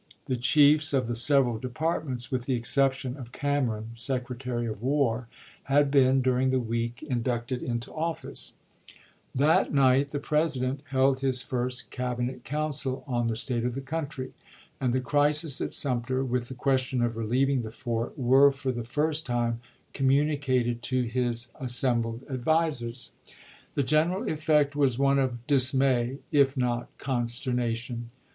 The chiefs of the several departments, with the exception of Cameron, Secretary of War, had been during the week inducted into office. 380 ABKAHAM LINCOLN ch. xxiii. That night the President held his first Cabinet council on the state of the country ; and the crisis at Sumter, with the question of relieving the fort, were for the first time communicated to his assem bled advisers. The general effect was one of dis may if not consternation.